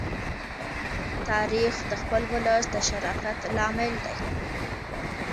تاریخ د خپل ولس د شرافت لامل دی.